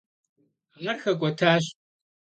Ar xek'uetaş.